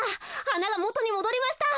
はながもとにもどりました。